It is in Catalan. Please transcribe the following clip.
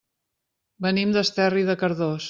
Venim d'Esterri de Cardós.